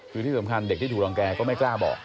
คือที่สำคัญเด็กที่ถูกรังแกก็ไม่กล้าบอก